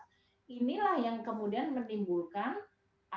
tapi belanjanya untuk hal yang lebih bermanfaat untuk ekonomi dan masyarakat